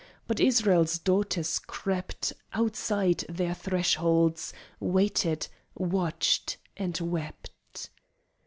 But Israel's daughters crept Outside their thresholds, waited, watched, and wept.